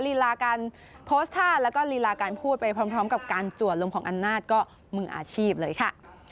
ลีลาการโพสต์ท่าแล้วก็ลีลาการพูดไปพร้อมกับการจวดลมของอำนาจก็มืออาชีพเลยค่ะ